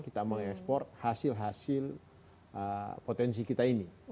kita mengekspor hasil hasil potensi kita ini